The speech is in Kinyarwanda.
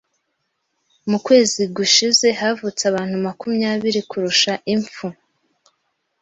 Mu kwezi gushize havutse abantu makumyabiri kurusha impfu.